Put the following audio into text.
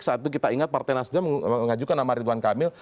saat itu kita ingat partai nasdem mengajukan nama ridwan kamil